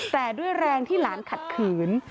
แต่ด้วยแรงที่หลานขัดขืน